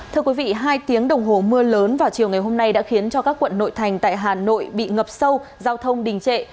thưa quý vị hai tiếng đồng hồ mưa lớn vào chiều ngày hôm nay đã khiến cho các quận nội thành tại hà nội bị ngập sâu giao thông đình trệ